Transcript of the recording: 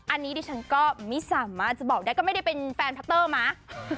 อันนี้ดิฉันก็ไม่สามารถจะบอกได้ก็ไม่ได้เป็นแฟนพัตเตอร์มา